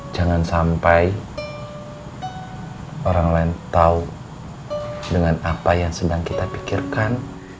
jangan sampai orang lain tahu dengan apa yang sedang kita pikirkan